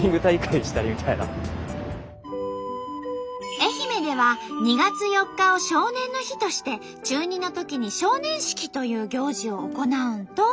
愛媛では２月４日を「少年の日」として中２のときに「少年式」という行事を行うんと。